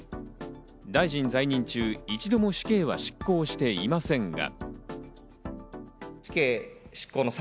大臣在任中、一度も死刑は執行していませんが。